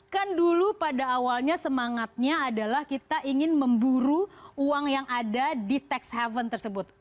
kan dulu pada awalnya semangatnya adalah kita ingin memburu uang yang ada di tax haven tersebut